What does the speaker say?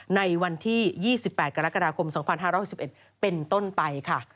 ในวันที่๒๘กรกฎาคม๒๕๖๑เป็นต้นไปค่ะ